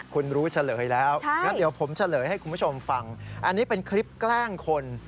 คุณรู้เฉลยแล้วงั้นเดี๋ยวผมเฉลยให้คุณผู้ชมฟังอันนี้เป็นคลิปแกล้งคน